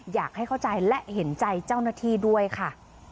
อยากให้เข้าใจและเห็นใจเจ้าหน้าที่ด้วยค่ะ